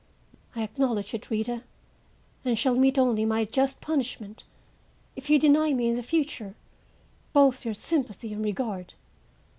I acknowledge it, Rita, and shall meet only my just punishment if you deny me in the future both your sympathy and regard.